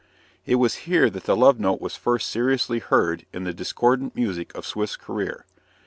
It was here that the love note was first seriously heard in the discordant music of Swift's career.